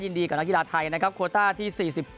ยินดีกับนักกีฬาไทยนะครับโคต้าที่๔๘